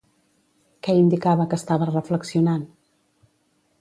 Què indicava que estava reflexionant?